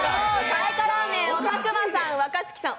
彩華ラーメンを佐久間さん、若槻さん